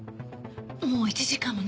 もう１時間もない。